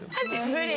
無理？